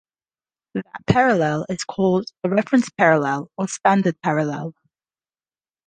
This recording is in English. That parallel is called the "reference parallel" or "standard parallel".